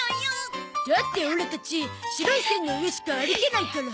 だってオラたち白い線の上しか歩けないから。